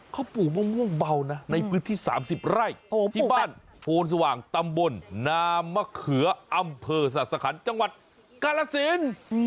เขาปลูกมะม่วงเบานะในพื้นที่๓๐ไร่ที่บ้านโพนสว่างตำบลนามมะเขืออำเภอศาสคันจังหวัดกาลสิน